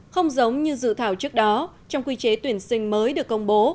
không giống như dự thảo trước đó trong quy chế tuyển sinh mới được công bố